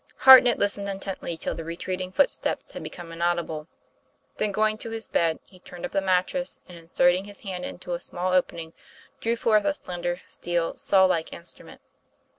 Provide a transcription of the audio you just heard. Hartnett listened intently till the retreating foot steps had become inaudible; then, going to his bed, he turned up the mattress, and inserting his hand into a small opening, drew forth a slender, steel, saw like instrument.